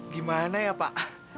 gimana ya pak